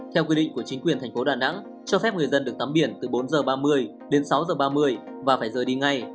theo quy định của chính quyền thành phố đà nẵng cho phép người dân được tắm biển từ bốn h ba mươi đến sáu h ba mươi và phải rời đi ngay